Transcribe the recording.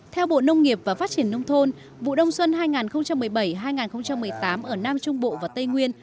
theo bộ nông nghiệp và phát triển nông thôn vụ đông xuân hai nghìn một mươi bảy hai nghìn một mươi tám ở nam trung bộ và tây nguyên